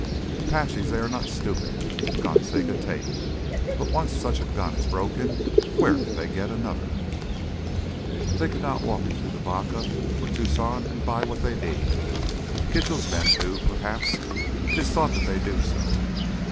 "Apaches, they are not stupid. Guns they could take. But once such a gun is broken, where can they get another? They cannot walk into Tubacca or Tucson to buy what they need. Kitchell's men do, perhaps—it is thought that they do so.